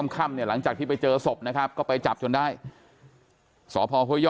ค่ำเนี่ยหลังจากที่ไปเจอศพนะครับก็ไปจับจนได้สพห้วยย่อ